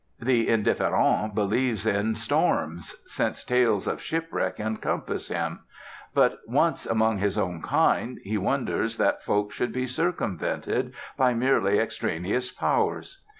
The indifférent believes in storms: since tales of shipwreck encompass him. But once among his own kind, he wonders that folk should be circumvented by merely extraneous powers!